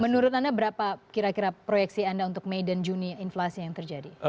menurut anda berapa kira kira proyeksi anda untuk mei dan juni inflasi yang terjadi